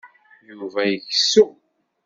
Yuba ikessu.